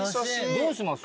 どうします？